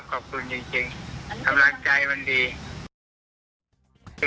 ขอบคุณจริงกำลังใจมันดี